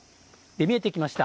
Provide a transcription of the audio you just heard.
見えてきました。